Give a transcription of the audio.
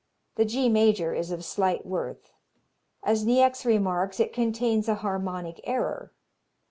The G major is of slight worth. As Niecks remarks, it contains a harmonic error.